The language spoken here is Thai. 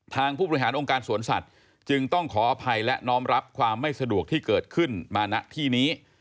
ผู้บริหารองค์การสวนสัตว์จึงต้องขออภัยและน้อมรับความไม่สะดวกที่เกิดขึ้นมาณที่นี้